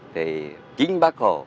thì chính bác hồ